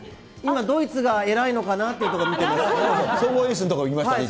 今、どいつが偉いのかなっていうところ見ています。